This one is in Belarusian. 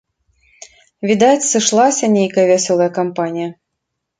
Відаць, сышлася нейкая вясёлая кампанія.